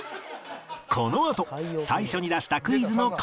このあと最初に出したクイズの解答が